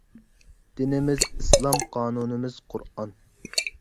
دىنىمىز ئىسلام قانۇنىمىز قۇرئان